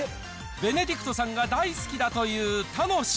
ベネディクトさんが大好きだという楽。